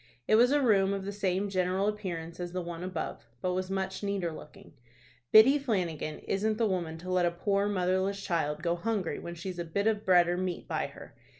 It was a room of the same general appearance as the one above, but was much neater looking. "Biddy Flanagan isn't the woman to let a poor motherless child go hungry when she's a bit of bread or meat by her.